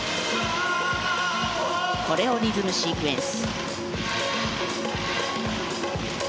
コレオリズムシークエンス。